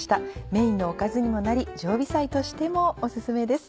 メインのおかずにもなり常備菜としてもお薦めです。